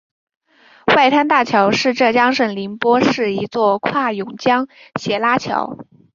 外滩大桥是浙江省宁波市一座跨甬江斜拉桥。